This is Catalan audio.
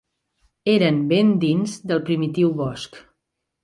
Eren ben dins del primitiu bosc.